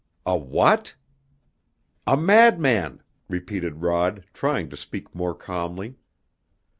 "A what!" "A madman!" repeated Rod, trying to speak more calmly.